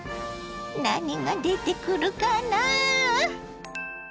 何が出てくるかな？